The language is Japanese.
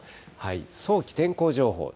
早期天候情報。